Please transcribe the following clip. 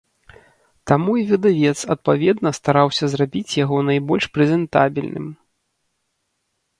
Таму і выдавец адпаведна стараўся зрабіць яго найбольш прэзентабельным.